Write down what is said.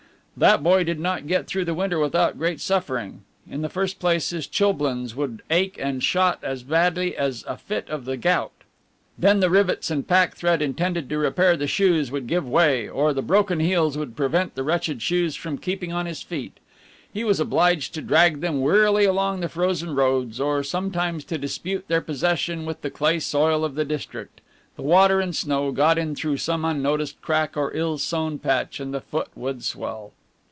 That boy did not get through the winter without great suffering. In the first place, his chilblains would ache and shot as badly as a fit of the gout; then the rivets and pack thread intended to repair the shoes would give way, or the broken heels would prevent the wretched shoes from keeping on his feet; he was obliged to drag them wearily along the frozen roads, or sometimes to dispute their possession with the clay soil of the district; the water and snow got in through some unnoticed crack or ill sewn patch, and the foot would swell.